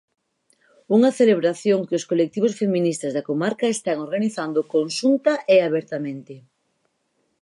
Unha celebración que os colectivos feministas da comarca están organizando conxunta e abertamente.